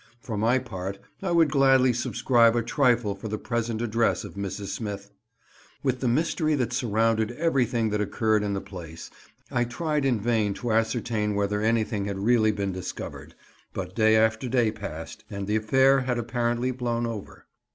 For my part I would gladly subscribe a trifle for the present address of Mrs. Smith. With the mystery that surrounded everything that occurred in the place, I tried in vain to ascertain whether anything had really been discovered, but day after day passed, and the affair had apparently blown over.